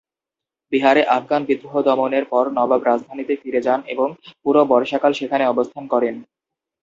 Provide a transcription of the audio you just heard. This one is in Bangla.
বিহারে আফগান বিদ্রোহ দমনের পর নবাব রাজধানীতে ফিরে যান এবং পুরো বর্ষাকাল সেখানে অবস্থান করেন।